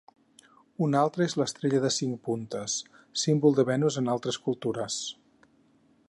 Un altre és l'estrella de cinc puntes, símbol de Venus en altres cultures.